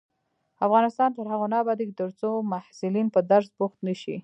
افغانستان تر هغو نه ابادیږي، ترڅو محصلین په درس بوخت نشي.